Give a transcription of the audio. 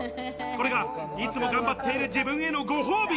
これがいつも頑張っている自分へのご褒美。